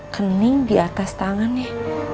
kening di atas tangannya